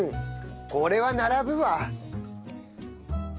これは並ぶわ。